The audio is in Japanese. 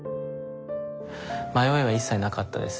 迷いは一切なかったですね。